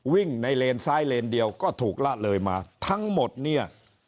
วิ่งในเลนซ้ายเลนเดียวก็ถูกละเลยมาทั้งหมดเนี่ย